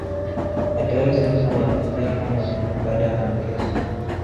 Alitolewa sehemu kubwa ya pafu lake moja baada ya kuambukizwa